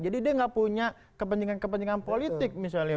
jadi dia nggak punya kepentingan kepentingan politik misalnya